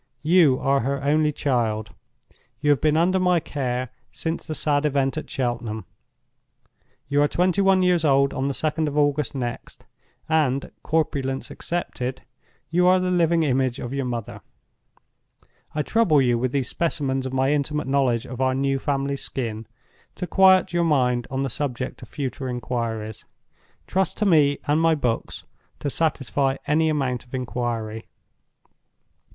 You are her only child; you have been under my care since the sad event at Cheltenham; you are twenty one years old on the second of August next; and, corpulence excepted, you are the living image of your mother. I trouble you with these specimens of my intimate knowledge of our new family Skin, to quiet your mind on the subject of future inquiries. Trust to me and my books to satisfy any amount of inquiry.